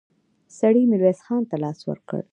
سړي ميرويس خان ته لاس ورکړ.